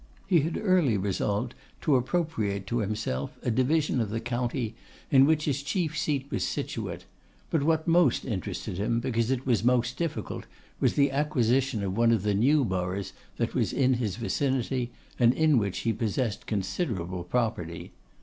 He had early resolved to appropriate to himself a division of the county in which his chief seat was situate; but what most interested him, because it was most difficult, was the acquisition of one of the new boroughs that was in his vicinity, and in which he possessed considerable property.